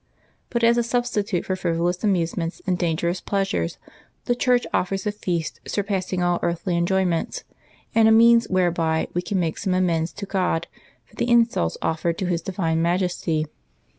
But, as a substitute for frivo lous amusements and dangerous pleasures, the Church offers a feast surpassing all earthly enjoyments, and a means whereby we can make some amends to God for the insults offered to His divine majesty.